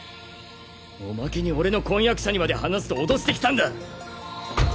おまけに俺の婚約者にまで話すと脅してきたんだ。